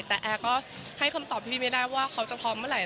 แต่แอร์ก็ให้คำตอบพี่ไม่ได้ว่าเขาจะพร้อมเมื่อไหร